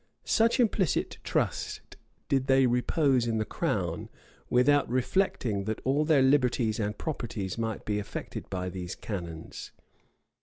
Such implicit trust did they repose in the crown, without reflecting that all their liberties and properties might be affected by these canons.